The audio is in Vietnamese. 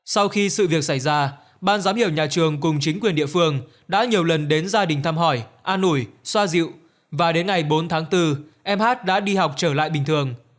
sau khi sự việc xảy ra ban giám hiệu nhà trường cùng chính quyền địa phương đã nhiều lần đến gia đình thăm hỏi a nổi xoa dịu và đến ngày bốn tháng bốn em hát đã đi học trở lại bình thường